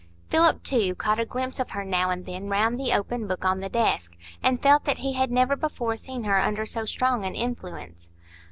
Philip, too, caught a glimpse of her now and then round the open book on the desk, and felt that he had never before seen her under so strong an influence.